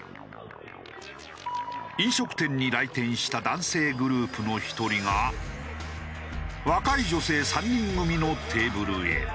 飲食店に来店した男性グループの１人が若い女性３人組のテーブルへ。